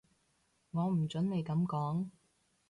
我唔準你噉講